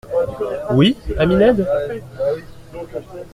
—Oui, ami Ned.